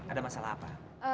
ada masalah apa